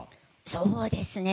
そうですね。